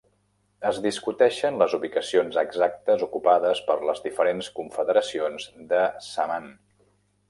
Es discuteixen les ubicacions exactes ocupades per les diferents confederacions de Samhan.